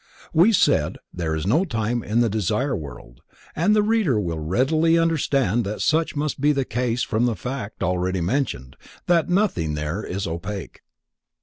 We said there is no time in the Desire World, and the reader will readily understand that such must be the case from the fact, already mentioned, that nothing there is opaque.